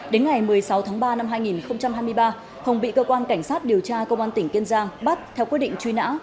đến ngày một mươi sáu tháng ba năm hai nghìn hai mươi ba hồng bị cơ quan cảnh sát điều tra công an tỉnh kiên giang bắt theo quyết định truy nã